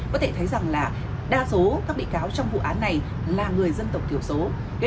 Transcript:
có thể thấy rằng là đa số các bị cáo trong vụ án này là người dân tộc thiểu số